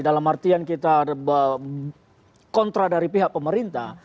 dalam artian kita kontra dari pihak pemerintah